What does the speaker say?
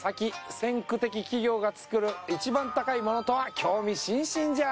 先駆的企業が作る一番高いモノとは興味津々じゃ。